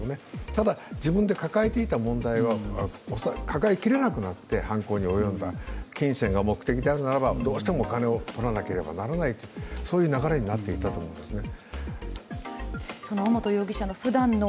ただ、自分で抱えていた問題が抱えきれなくなって犯行に及んだ、金銭が目的であるならば、どうしてもお金をとらなければならない、そういう流れになっていたと思いますね。